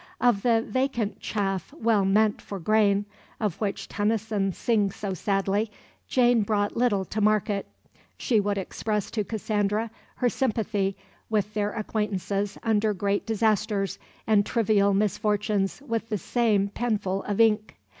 Of the "vacant chaff well meant for grain" of which Tennyson sings so sadly, Jane brought little to market. She would express to Cassandra her sympathy with their acquaintances under great disasters and trivial misfortunes with the same penful of ink.